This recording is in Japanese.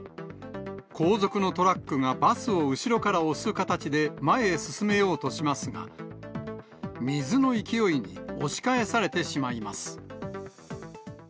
後続のトラックがバスを後ろから押す形で前へ進めようとしますが、水の勢いに押し返されてしまいます。